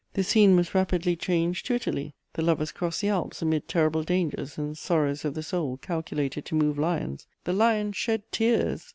The scene was rapidly changed to Italy; the lovers crossed the Alps amid terrible dangers and sorrows of the soul calculated to move lions: "the lion shed tears!"